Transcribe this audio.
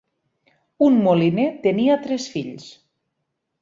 Un moliner tenia tres fills.